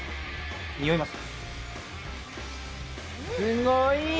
においます。